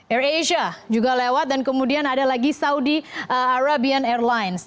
air asia juga lewat dan kemudian ada lagi saudi arabian airlines